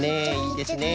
いいですね。